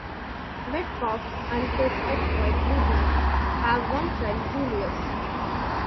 Metcalf and his ex-wife, Libby, have one child, Julius.